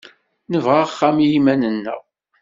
Nebɣa axxam i yiman-nneɣ.